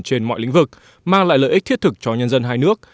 trên mọi lĩnh vực mang lại lợi ích thiết thực cho nhân dân hai nước